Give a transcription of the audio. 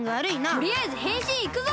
とりあえずへんしんいくぞ！